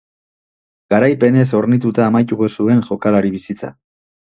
Garaipenez hornituta amaituko zuen jokalari bizitza.